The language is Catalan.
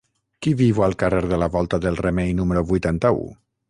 Qui viu al carrer de la Volta del Remei número vuitanta-u?